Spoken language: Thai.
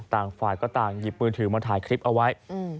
ต่างฝ่ายก็ต่างหยิบมือถือมาถ่ายคลิปเอาไว้